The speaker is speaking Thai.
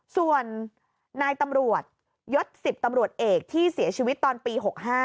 ส่วนนายตำรวจยศ๑๐ตำรวจเอกที่เสียชีวิตตอนปี๖๕